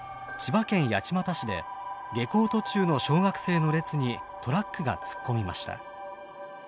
千葉県八街市で下校途中の小学生の列にトラックが突っ込みました。